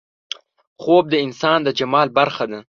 خوب د انسان د جمال برخه ده